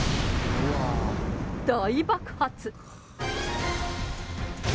大爆発。